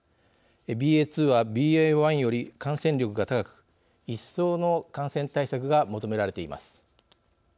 ＢＡ．２は、ＢＡ．１より感染力が高く一層の感染対策が求められています。